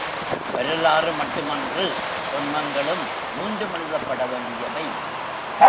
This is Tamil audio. வரலாறு மட்டுமன்று, தொன்மங்களும் மீண்டும் எழுதப்பட வேண்டியவை.